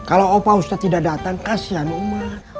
kalau opa ustadz tidak datang kasihan umat